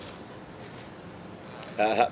jadi tinggal bahas